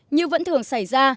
như vẫn thường xảy ra